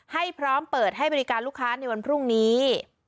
ให้พร้อมเปิดให้บริการลูกค้าในวันพรุ่งนี้